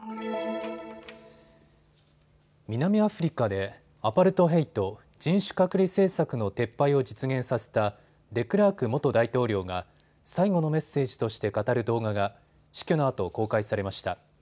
南アフリカで、アパルトヘイト・人種隔離政策の撤廃を実現させたデクラーク元大統領が最後のメッセージとして語る動画が死去のあと公開されました。